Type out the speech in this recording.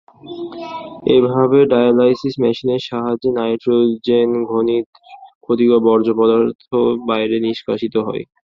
এভাবে ডায়ালাইসিস মেশিনের সাহায্যে নাইট্রোজেনঘটিত ক্ষতিকর বর্জ্যপদার্থ বাইরে নিষ্কাশিত হয়।